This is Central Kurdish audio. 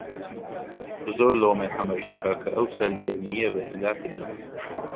زۆر لۆمەی حەمەش دەکا کە ئەو سەرگەرمییە بە هیلاکت دەبا